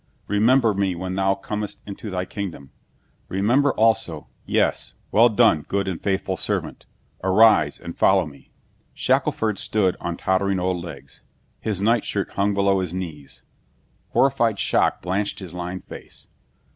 Remember me when thou comest into thy kingdom. Remember also " "Yes. Well done, good and faithful servant. Arise and follow me." Shackelford stood on tottering old legs. His nightshirt hung below his knees. Horrified shock blanched his lined face.